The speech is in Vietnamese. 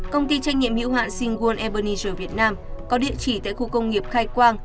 công ty trách nhiệm hữu hạn singuon ebenezer việt nam có địa chỉ tại khu công nghiệp khai quang